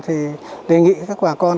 thì đề nghị các bà con